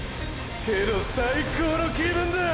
けど最高の気分だァ！！